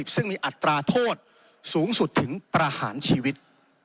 ซึ่งมีอัตราโทษสูงสุดถึงประหารชีวิต